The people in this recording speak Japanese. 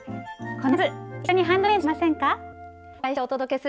この夏一緒にハンドメイドしませんか？